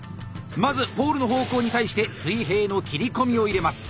まずポールの方向に対して水平の切り込みを入れます。